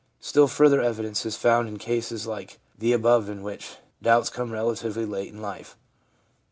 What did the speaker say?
Still further evidence is found in cases like the above in which doubts come relatively late in life.